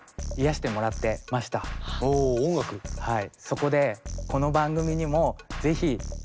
はい。